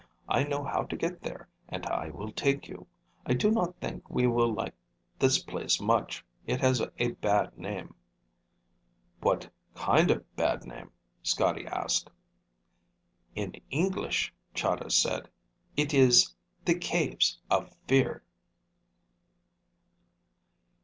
I know how to get there and I will take you. I do not think we will like this place much. It has a bad name." "What kind of bad name?" Scotty asked. "In English," Chahda said, "it is 'The Caves of Fear'!"